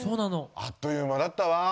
あっという間だったわ。